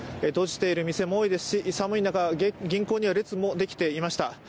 閉じている店も多いですし、寒い中、銀行には列もできていました。